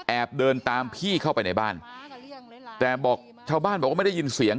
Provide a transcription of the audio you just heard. เดินตามพี่เข้าไปในบ้านแต่บอกชาวบ้านบอกว่าไม่ได้ยินเสียง